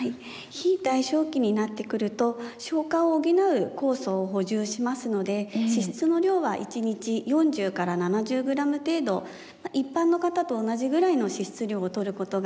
非代償期になってくると消化を補う酵素を補充しますので脂質の量は１日４０７０ｇ程度一般の方と同じぐらいの脂質量をとることが可能となってきます。